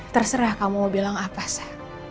terserah kamu mau bilang apa saya